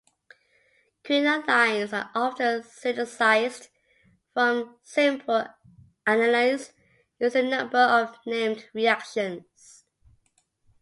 Quinolines are often synthesized from simple anilines using a number of named reactions.